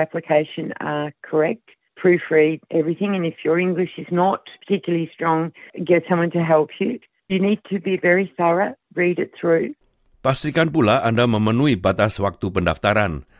pastikan pula anda memenuhi batas waktu pendaftaran